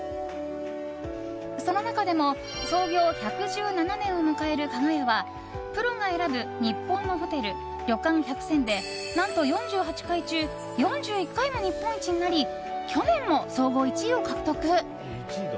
その中でも創業１１７年を迎える加賀屋はプロが選ぶ日本のホテル・旅館１００選で何と４８回中４１回も日本一になり去年も総合１位を獲得。